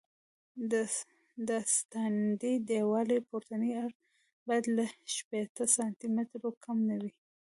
د استنادي دیوال پورتنی عرض باید له شپېته سانتي مترو کم نه وي